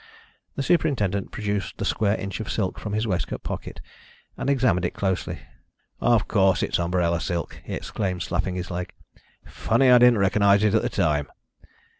The superintendent produced the square inch of silk from his waistcoat pocket, and examined it closely: "Of course it's umbrella silk," he exclaimed, slapping his leg. "Funny I didn't recognise it at the time."